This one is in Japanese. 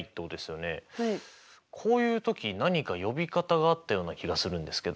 こういう時何か呼び方があったような気がするんですけど。